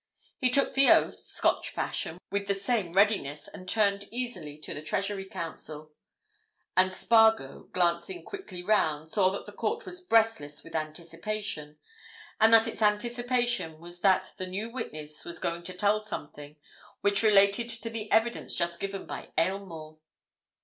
He took the oath—Scotch fashion—with the same readiness and turned easily to the Treasury Counsel. And Spargo, glancing quickly round, saw that the court was breathless with anticipation, and that its anticipation was that the new witness was going to tell something which related to the evidence just given by Aylmore.